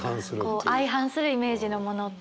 相反するイメージのものっていう。